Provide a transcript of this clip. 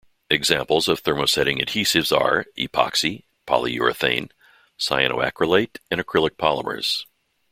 Examples of thermosetting adhesives are: epoxy, polyurethane, cyanoacrylate and acrylic polymers.